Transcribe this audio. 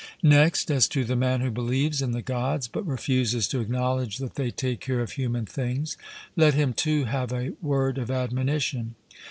Next, as to the man who believes in the Gods, but refuses to acknowledge that they take care of human things let him too have a word of admonition.